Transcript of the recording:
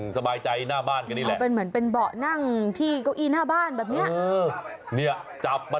สองตัวเหรอ